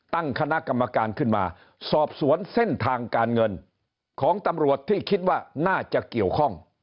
ตั้งคณะกรรมการขึ้นมาสอบสวนเส้นทางการเงินของตำรวจที่คิดว่าน่าจะเกี่ยวข้อง